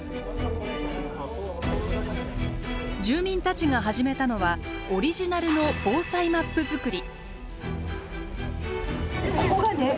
住民たちが始めたのはオリジナルの「防災マップ」作り。